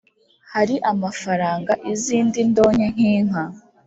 Hari amafaranga, izindi ndonke nk’inka,